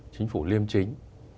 chính phủ liêm chính